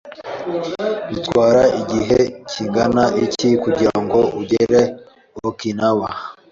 Bitwara igihe kingana iki kugirango ugere Okinawa?